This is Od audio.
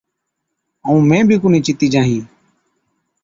ائُون مين بِي ڪونھِي چتِي جانهِين۔